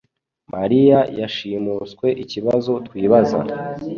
mariya yashimuswe ikibazo twibaza